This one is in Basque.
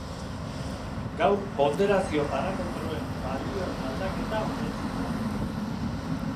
Gaur ponderazio parametroen balioen aldaketa onetsi da.